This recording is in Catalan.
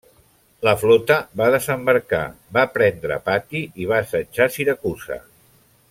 La flota va desembarcar, va prendre Patti i va assetjar Siracusa.